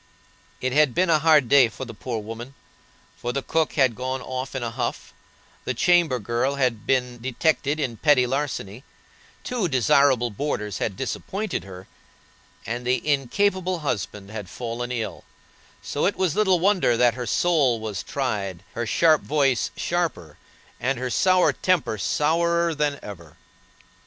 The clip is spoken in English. It had been a hard day for the poor woman, for the cook had gone off in a huff; the chamber girl been detected in petty larceny; two desirable boarders had disappointed her; and the incapable husband had fallen ill, so it was little wonder that her soul was tried, her sharp voice sharper, and her sour temper sourer than ever.